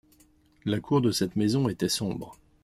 La cour de cette maison était sombre.